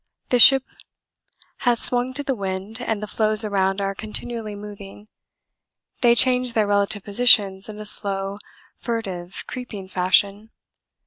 The ship has swung to the wind and the floes around are continually moving. They change their relative positions in a slow, furtive, creeping fashion.